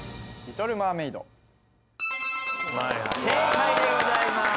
はい正解でございます